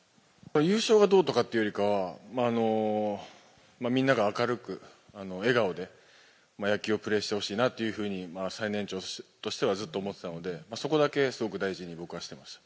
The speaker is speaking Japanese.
優勝がどうとかっていうよりは、みんなが明るく、笑顔で野球をプレーしてほしいなというふうに、最年長としてはずっと思ってたので、そこだけすごく大事に僕はしてました。